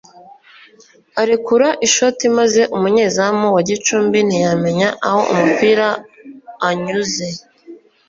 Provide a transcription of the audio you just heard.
arekura ishoti maze umunyezamu wa Gicumbi ntiyamenya aho umupira anyuze